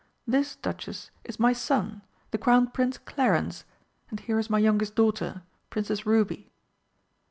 This, Duchess, is my son, the Crown Prince Clarence, and here is my youngest daughter, Princess Ruby."